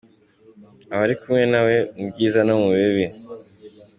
Aba ari kumwe nawe mu byiza no mu bibi.